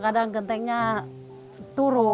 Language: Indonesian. kadang kadang gentengnya turun